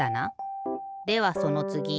ではそのつぎ。